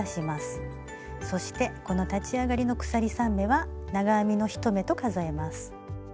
そしてこの立ち上がりの鎖３目は長編みの１目と数えます。